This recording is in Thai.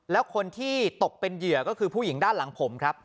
แล้วคนที่ตกเป็นเหยื่อก็คือผู้หญิงด้านหลังผมครับ